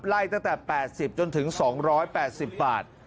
ไล่ตั้งแต่๘๐จนถึง๒๘๐บาท